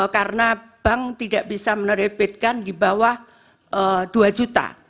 karena bank tidak bisa menerbitkan di bawah dua juta